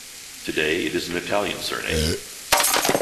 Today it is an Italian surname.